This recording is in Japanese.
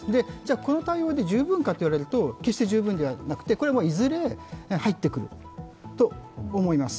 この対応で十分かといわれると決して十分ではなくてこれはいずれ入ってくると思います。